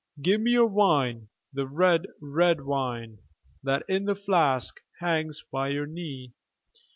"Give me your wine, the red, red wine, That in the flask hangs by your knee!